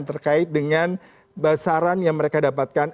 terkait dengan basaran yang mereka dapatkan